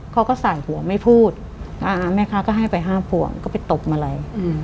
เขาก็สายหัวไม่พูดแม่ค้าก็ให้ไปห้ามพวงก็ไปตบมาลัย